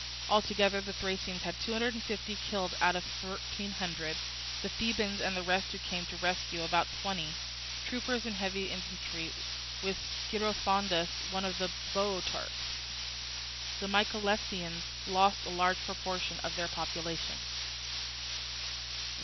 Altogether the Thracians had two hundred and fifty killed out of thirteen hundred, the Thebans and the rest who came to the rescue about twenty, troopers and heavy infantry, with Scirphondas, one of the Boeotarchs. The Mycalessians lost a large proportion of their population.